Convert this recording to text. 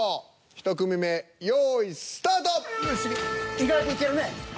意外といけるね。